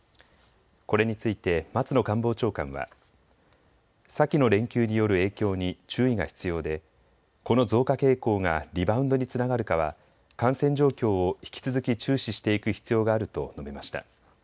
これについて松野官房長官は先の連休による影響に注意が必要でこの増加傾向がリバウンドにつながるかは感染状況を引き続き注視していく必要があると述べました。